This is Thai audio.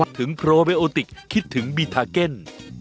ต้องคิดถึงโพรเปโอติคฮึ้ดถึงบีทากิ้น